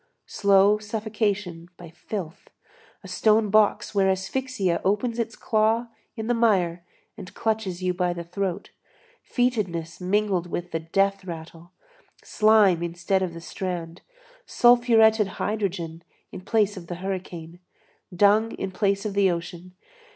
slow suffocation by filth, a stone box where asphyxia opens its claw in the mire and clutches you by the throat; fetidness mingled with the death rattle; slime instead of the strand, sulfuretted hydrogen in place of the hurricane, dung in place of the ocean!